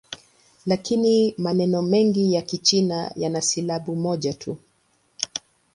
Lakini maneno mengi ya Kichina yana silabi moja tu.